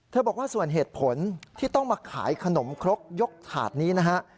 บอกว่าส่วนเหตุผลที่ต้องมาขายขนมครกยกถาดนี้นะฮะ